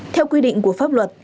theo quy định của pháp luật